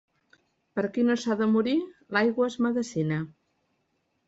Per a qui no s'ha de morir, l'aigua és medecina.